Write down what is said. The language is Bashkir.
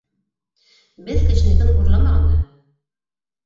Беҙ кешенекен урламаған да.